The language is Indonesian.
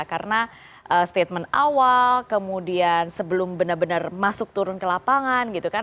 karena statement awal kemudian sebelum benar benar masuk turun ke lapangan gitu kan